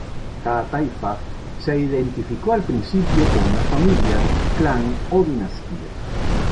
Cada taifa se identificó al principio con una familia, clan o dinastía.